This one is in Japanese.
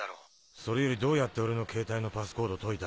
それよりどうやって俺のケータイのパスコード解いた？